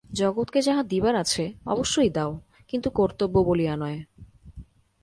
জগৎকে যাহা দিবার আছে অবশ্যই দাও, কিন্তু কর্তব্য বলিয়া নয়।